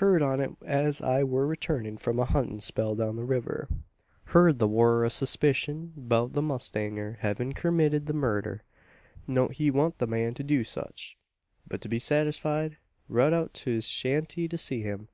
Heerd on it as I war reeturnin' from a huntin' spell down the river. Heerd thar wur a suspeeshun 'beout the mowstanger hevin' kermitted the murder. Knowd he wan't the man to do sech; but, to be saterfied, rud out to his shanty to see him.